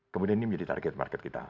kemudian ini menjadi target market kita